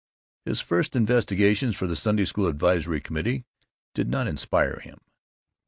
His first investigations for the Sunday School Advisory Committee did not inspire him.